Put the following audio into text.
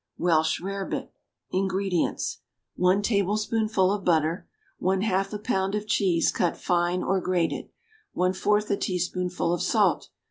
=Welsh Rarebit.= INGREDIENTS. 1 tablespoonful of butter. 1/2 a pound of cheese, cut fine or grated. 1/4 a teaspoonful of salt.